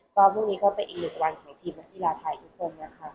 ก็พรุ่งนี้ก็เป็นอีกหนึ่งวันของทีมนักกีฬาไทยทุกคนนะคะ